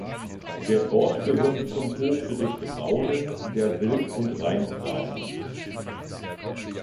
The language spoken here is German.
Der Ort gehörte zum Hochgericht Rhaunen der Wild- und Rheingrafen.